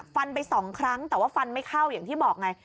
ไปสองครั้งแต่ว่าฟันไม่เข้าอย่างที่บอกไง